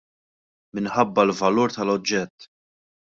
Minħabba l-valur tal-oġġett.